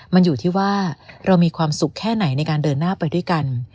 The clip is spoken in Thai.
มันอยู่ที่ว่าเรามีความสุขแค่ไหนในการเดินหน้าไปด้วยกัน